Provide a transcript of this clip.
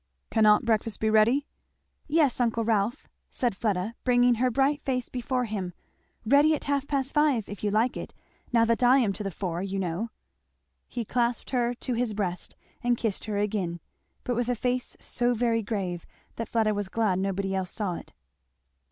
"Cannot breakfast be ready?" "Yes, uncle Rolf," said Fleda bringing her bright face before him, "ready at half past five if you like now that I am to the fore, you know." He clasped her to his breast and kissed her again; but with a face so very grave that Fleda was glad nobody else saw it.